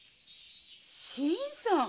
新さん！